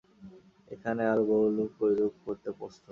এখানে আরও বহুলোক ঐরূপ করতে প্রস্তুত।